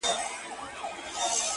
په رګو کي د وجود مي لکه وینه-